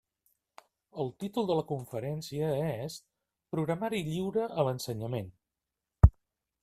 El títol de la conferència és «Programari Lliure a l'Ensenyament».